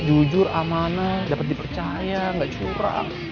jujur amanah dapat dipercaya nggak curang